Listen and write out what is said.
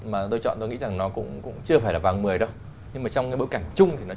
và thưa các thành viên trong ban giám khảo